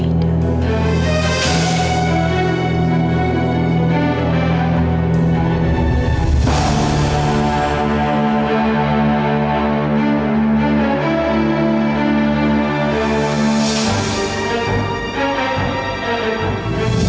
tidak ada yang bisa diberi kepadamu